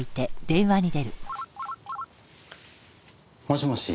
もしもし？